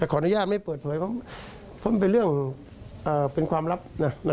แต่ขออนุญาตไม่เปิดเผยเพราะมันเป็นเรื่องเป็นความลับ